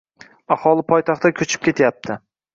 aholi poytaxtga ko‘chib ketyapti